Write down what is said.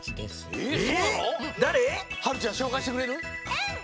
うん！